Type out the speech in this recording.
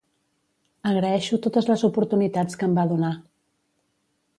Agraeixo totes les oportunitats que em va donar.